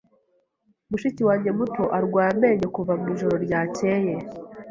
Mushiki wanjye muto arwaye amenyo kuva mwijoro ryakeye.